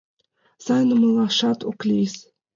Сайын умылашат ок лийыс...